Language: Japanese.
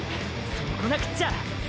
そうこなくっちゃ！！